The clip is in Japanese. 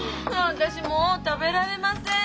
私もう食べられません